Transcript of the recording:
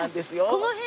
この辺で？